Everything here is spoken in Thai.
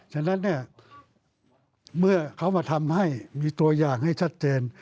ฉะนั้นเนี่ยเมื่อเขามาทำให้มีตัวอย่างให้ชัดเจน